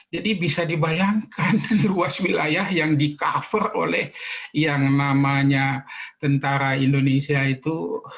jadi bisa dibayangkan luas wilayah yang di cover oleh yang namanya tentara indonesia itu